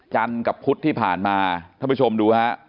กับพุธที่ผ่านมาท่านผู้ชมดูฮะ